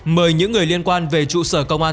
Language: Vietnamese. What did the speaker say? mời những người liên quan về trụ sở công an